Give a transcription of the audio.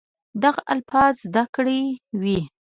دغه الفاظ زده کړي وي